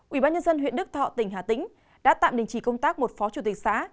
ủy ban nhân dân huyện đức thọ tỉnh hà tĩnh đã tạm đình chỉ công tác một phó chủ tịch xã